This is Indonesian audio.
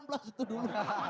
gara gara gus dur